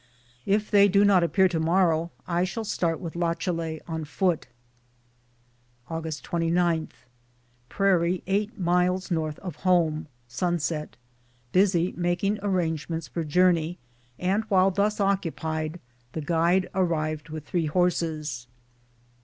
If they do not appear tomorrow I shall start with Lachalet on foot. Aug. 29. Prairie 8 miles N. of home. Sunset. Busy making arrangements for journey, and while thus occupied the guide arrived with 3 horses.